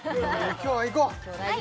今日はいこう！